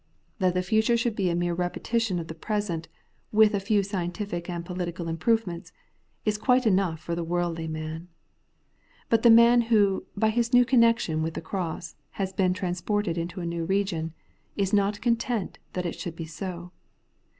That the future should be a mere repetition of the present, — with a few scientific and political improvements^ — is quite enough for the worldly man. But the man who, by his new connection with the cross, has been transported into a new region, is not content that it should be so.